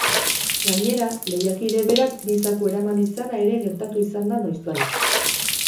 Gainera, lehiakide berak bi zaku eraman izana ere gertatu izan da noizbait.